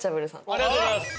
ありがとうございます！